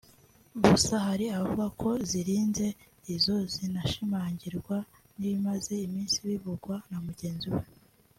Gusa hari abavuga ko zirinze izo binashimangirwa n’ibimaze iminsi bivugwa na mugenzi we